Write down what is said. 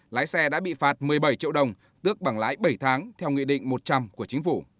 lái xe đã bị phạt một mươi bảy triệu đồng tước bằng lái bảy tháng theo nghị định một trăm linh của chính phủ